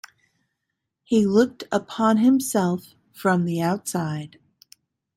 He looked upon himself from the outside.